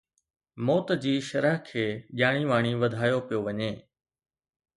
موت جي شرح کي ڄاڻي واڻي وڌايو پيو وڃي